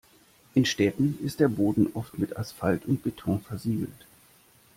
In Städten ist der Boden oft mit Asphalt und Beton versiegelt.